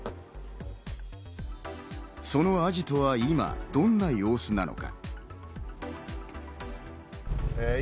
そのアジトは今、どんな様子なのか。